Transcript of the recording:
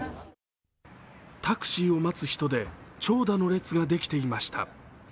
タクシーを待つ人で長蛇の列ができていました。